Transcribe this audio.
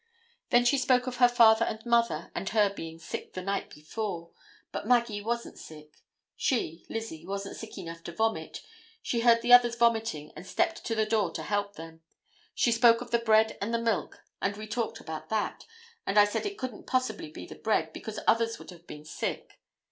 Then she spoke of her father and mother and her being sick the night before, but Maggie wasn't sick; she (Lizzie) wasn't sick enough to vomit; she heard the others vomiting and stepped to the door to help them; she spoke of the bread and the milk and we talked about that, and I said it couldn't possibly be the bread, because others would have been sick.